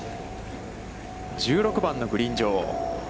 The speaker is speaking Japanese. １６番のグリーン上。